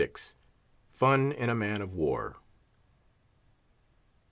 FUN IN A MAN OF WAR.